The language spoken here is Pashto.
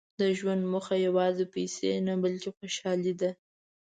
• د ژوند موخه یوازې پیسې نه، بلکې خوشالي ده.